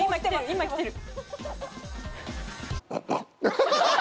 今きてる。